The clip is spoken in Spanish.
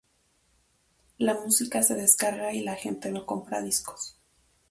La música se descarga y la gente no compra discos.